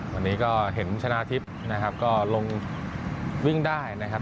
วันนี้ก็เห็นชนะทิพย์นะครับก็ลงวิ่งได้นะครับ